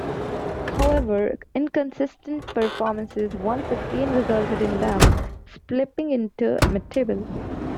However, inconsistent performances once again resulted in them slipping into mid-table.